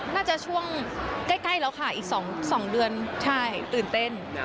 น่าจะช่วงใกล้แล้วค่ะอีก๒เดือนใช่ตื่นเต้น